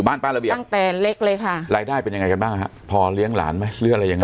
บ้านป้าระเบียบตั้งแต่เล็กเลยค่ะรายได้เป็นยังไงกันบ้างฮะพอเลี้ยงหลานไหมหรืออะไรยังไง